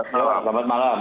selamat malam selamat malam